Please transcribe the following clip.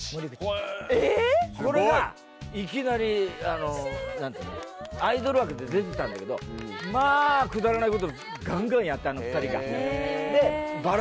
すごい！これがいきなりなんていうのアイドル枠で出てたんだけどまあくだらない事をガンガンやってあの２人が。